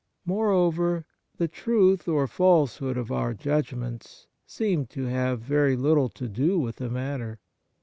Moreover, the truth or false hood of our judgments seem to have very little to do with the matter.